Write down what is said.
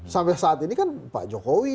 sampai saat ini kan pak jokowi